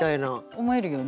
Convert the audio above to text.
思えるよね。